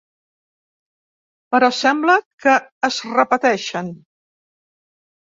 Però sembla que es repeteixen.